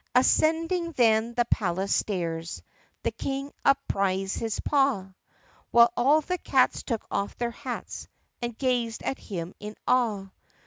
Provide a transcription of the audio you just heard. IX Ascending then the palace stairs The King upraised his paw, While all the cats took off their hats And gazed at him in awe.